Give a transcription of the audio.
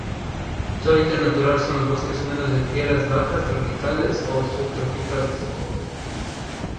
Su hábitat natural son los bosques húmedos de tierras bajas tropicales o subtropicales.